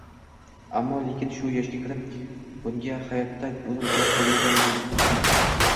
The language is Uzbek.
Ammo-lekin shu yoshga kirib bunga hayotda oʻzim guvoh boʻlmagan edim.